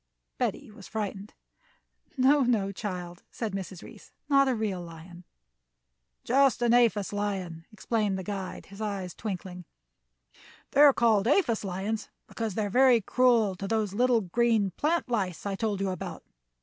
Betty was frightened. "No, no, child," said Mrs. Reece, "not a real lion." "Just an aphis lion," explained the guide, his eyes twinkling. "They are called aphis lions because they are very cruel to the little green plant lice I told you about.